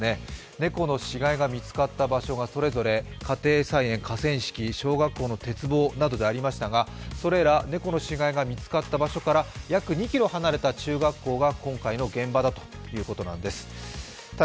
猫の死骸が見つかった場所がそれぞれ家庭菜園、河川敷、小学校の鉄棒などでありましたがそれら猫の死骸が見つかった場所から約２ｋｍ離れた中学校が今回の現場だということなんです。